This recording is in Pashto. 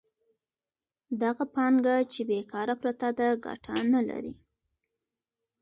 دغه پانګه چې بېکاره پرته ده ګټه نلري